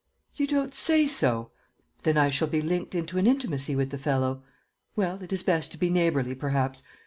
"You don't say so! Then I shall be linked into an intimacy with the fellow. Well, it is best to be neighbourly, perhaps.